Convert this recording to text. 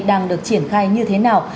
đang được triển khai như thế nào